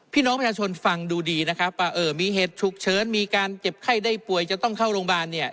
พี่น้องประชาชนฟังดูดีนะครับว่าเออมีเหตุฉุกเฉินมีการเจ็บไข้ได้ป่วยจะต้องเข้าโรงพยาบาลเนี่ย